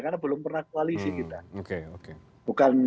karena belum pernah koalisi kita